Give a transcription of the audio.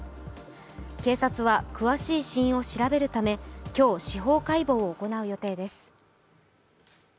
警察は詳しい死因を調べるため今日、司法解剖を行う予定です。